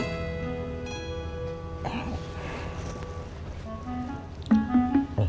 ini ayam yang banyak ya